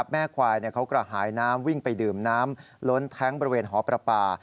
แม่ควายเขากระหายน้ำวิ่งไปดื่มน้ำล้นแท้งบริเวณหอประปา